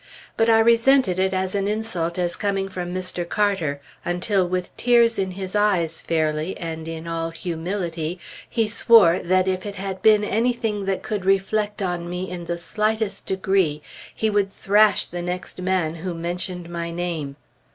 But I resented it as an insult as coming from Mr. Carter, until with tears in his eyes fairly, and in all humility, he swore that, if it had been anything that could reflect on me in the slightest degree, he would thrash the next man who mentioned my name.